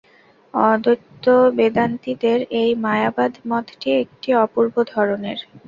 অদ্বৈতবেদান্তীদের এই মায়াবাদ-মতটি একটু অপূর্ব ধরনের।